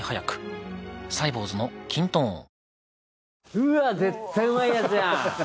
うわっ絶対うまいやつじゃん。